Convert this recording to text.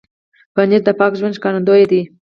پنېر د پاک ژوند ښکارندوی دی.